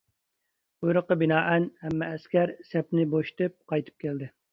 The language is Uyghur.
بۇيرۇققا بىنائەن ھەممە ئەسكەر سەپنى بوشىتىپ قايتىپ كەلدى.